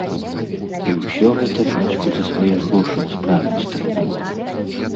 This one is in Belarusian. І ўсё гэта бацьку за свае грошы справіць трэ было.